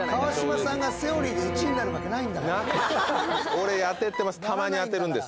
川島さんがセオリーで１位になるわけないんだから。